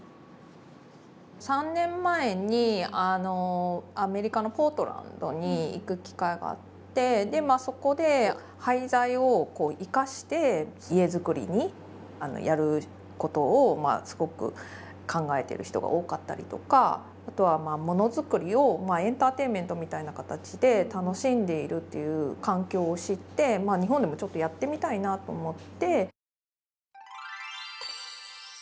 ３年前にアメリカのポートランドに行く機会があってでそこで廃材を生かして家づくりにやることをすごく考えてる人が多かったりとかあとはものづくりをエンターテインメントみたいな形で楽しんでいるという環境を知って日本でもちょっとやってみたいなと思って。